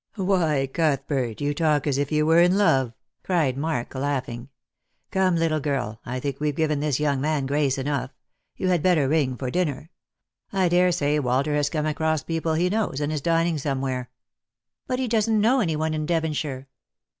" Why, Cuthbert, you talk as if you were in love !" cried Mark, laughing. " Come, little girl, I think we've given this young man grace enough. You had better ring for dinner. I daresay Walter has come across people he knows, and is dining somewhere." Jjost for Love. 169 " But he doesn't know any one in Devonshire."